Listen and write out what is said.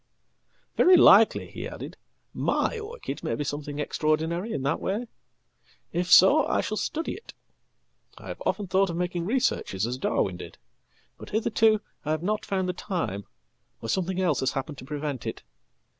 "Very likely," he added, "my orchid may be something extraordinaryin that way. If so I shall study it. I have often thought of makingresearches as Darwin did. But hitherto I have not found the time, orsomething else has happened to prevent it.